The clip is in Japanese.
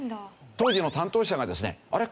当時の担当者がですねあれ？